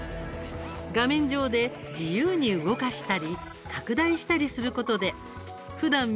画面上で自由に動かしたり拡大したりすることで、ふだん